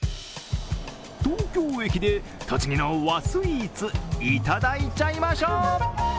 東京駅で栃木の和スイーツいただいちゃいましょう。